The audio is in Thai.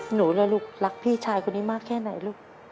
หนูล่ะลูกรักพี่ชายคนนี้มากแค่ไหนลูก